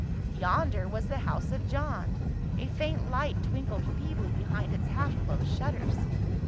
Yonder was the house of John, a faint light twinkled feebly behind its half closed shutters.